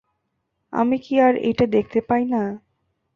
আমি কি আর এইটে দেখিতে পাই না!